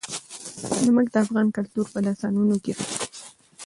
نمک د افغان کلتور په داستانونو کې راځي.